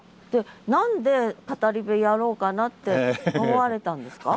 何で語り部やろうかなって思われたんですか？